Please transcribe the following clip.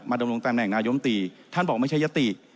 มาดำรุงตามแหน่งนายมติท่านบอกไม่ใช่ยัตติ